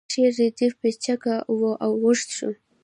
د شعر ردیف پیچکه و او اوږد شو